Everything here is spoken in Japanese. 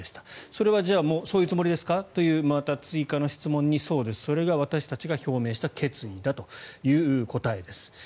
それはじゃあそういうつもりですか？という追加の質問にそうですそれが私たちが表明した決意だという答えです。